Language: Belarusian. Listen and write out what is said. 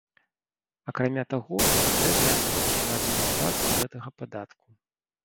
Акрамя таго, патрэбныя сродкі на адміністрацыю гэтага падатку.